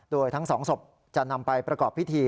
โดยทั้งสองศพจะนำไปประกอบพิธี